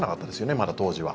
まだ、当時は。